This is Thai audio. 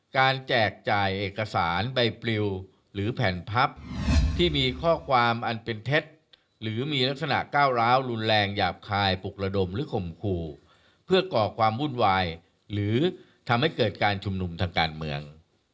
แจกจ่ายเอกสารใบปลิวหรือแผ่นพับที่มีข้อความอันเป็นเท็จหรือมีลักษณะก้าวร้าวรุนแรงหยาบคายปลุกระดมหรือข่มขู่เพื่อก่อความวุ่นวายหรือทำให้เกิดการชุมนุมทางการเมือง